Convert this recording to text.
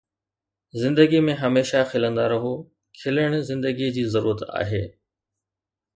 زندگي ۾ هميشه کلندا رهو، کلڻ زندگيءَ جي ضرورت آهي